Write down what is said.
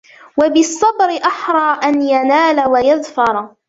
وَبِالصَّبْرِ أَحْرَى أَنْ يَنَالَ وَيَظْفَرَ